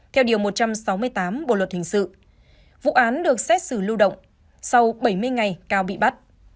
theo điều một trăm sáu mươi tám bộ luật hình sự vụ án được xét xử lưu động sau bảy mươi ngày cao bị bắt